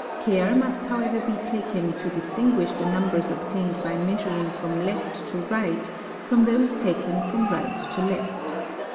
Care must however be taken to distinguish the umbers obtained by measuring from left to right from those taken from nt to left.